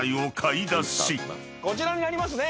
こちらにありますね。